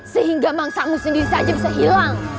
sehingga mangsamu sendiri saja bisa hilang